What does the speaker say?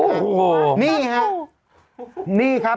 ได้ตระดมทุนสร้างสะพานข้ามแม่น้ำในชุมชนนี่ฮะฮู้นี่ครับ